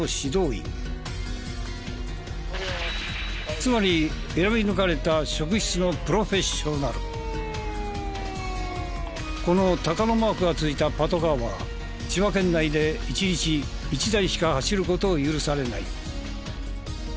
つまり選び抜かれたこの鷹のマークが付いたパトカーは千葉県内で一日一台しか走る事を許されない。